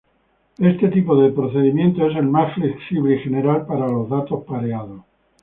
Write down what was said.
Este tipo de procedimiento es el más flexible y general para los datos pareados.